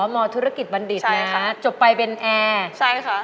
มธุรกิจบัณฑิตนะคะจบไปเป็นแอร์ใช่ค่ะ